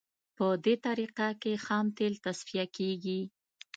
په دې طریقه کې خام تیل تصفیه کیږي